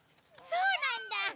そうなんだ！